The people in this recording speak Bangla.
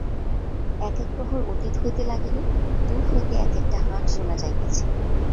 এক-এক প্রহর অতীত হইতে লাগিল, দূর হইতে এক-একটা হাঁক শোনা যাইতেছে।